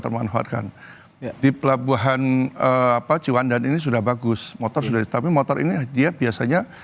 termanfaatkan di pelabuhan apa ciwandan ini sudah bagus motor sudah tapi motor ini dia biasanya